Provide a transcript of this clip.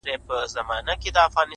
o دا ده کوچي ځوانيمرگې نجلۍ تول دی ـ